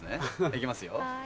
いきますよ。